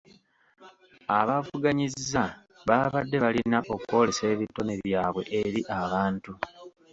Abaavuganyizza baabadde balina okwolesa ebitone byabwe eri abantu.